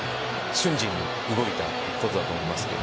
瞬時に動いたことだと思いますけど。